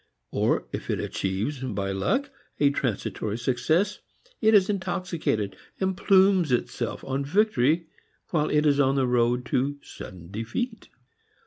Or if it achieves, by luck, a transitory success, it is intoxicated, and plumes itself on victory while it is on the road to sudden defeat.